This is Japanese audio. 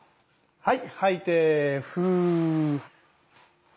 はい。